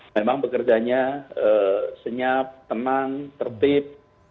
memang bekerjanya senyap tenang tertib